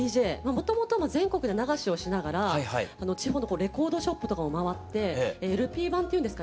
もともと全国で流しをしながら地方のレコードショップとかを回ってＬＰ盤っていうんですかね